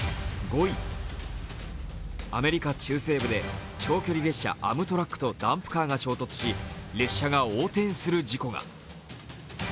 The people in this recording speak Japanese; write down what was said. アメリカ中西部で長距離列車アムトラックとダンプカーが衝突し列車が横転する事故が。